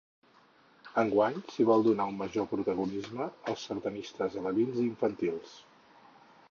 Enguany s’hi vol donar un major protagonisme als sardanistes alevins i infantils.